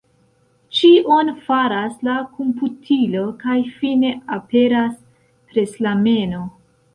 Ĉion faras la komputilo kaj fine aperas preslameno.